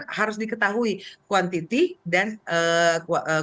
itu kan harus diketahui kuantiti dan berapa banyak